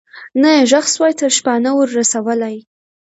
نه یې ږغ سوای تر شپانه ور رسولای